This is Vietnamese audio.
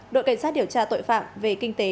đội cảnh sát điều tra tội phạm về kinh tế